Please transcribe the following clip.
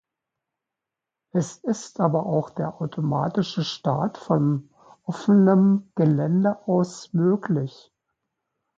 Es ist aber auch der automatische Start von offenem Gelände aus möglich.